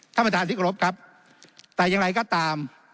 ท่านประธานที่กรบครับแต่อย่างไรก็ตาม